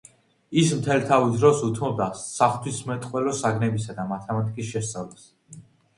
ის მთელ თავის დროს უთმობდა საღვთისმეტყველო საგნებისა და მათემატიკის შესწავლას.